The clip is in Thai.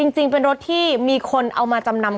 จริงเป็นรถที่มีคนเอามาจำนำ